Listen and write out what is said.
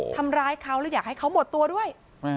ทำร้ายเขาแล้วอยากให้เขาหมดตัวด้วย